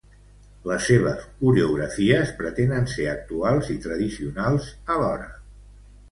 Les seves coreografies pretenen ser actuals i tradicionals alhora.